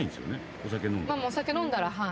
お酒飲んだら、はい。